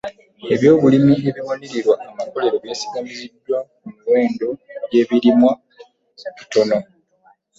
Ebyobulimi ebiwanirirwa amakolero byesigamiziddwa ku muwendo gw’ebirimwa bitono.